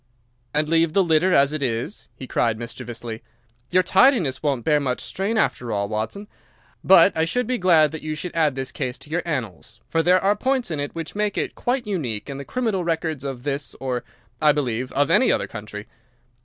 "And leave the litter as it is?" he cried, mischievously. "Your tidiness won't bear much strain after all, Watson. But I should be glad that you should add this case to your annals, for there are points in it which make it quite unique in the criminal records of this or, I believe, of any other country.